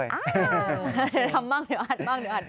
อ้าวทำบ้างหรืออัดบ้าง